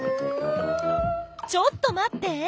ちょっと待って！